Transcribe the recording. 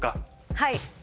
はい！